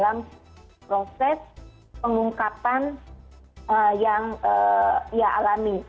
dalam proses pengungkapan yang ia alami